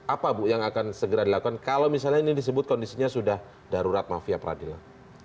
apa bu yang akan segera dilakukan kalau misalnya ini disebut kondisinya sudah darurat mafia peradilan